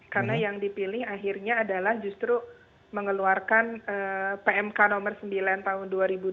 karena yang dipilih akhirnya adalah justru mengeluarkan pmk nomor sembilan tahun dua ribu dua puluh